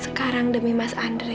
sekarang demi mas andre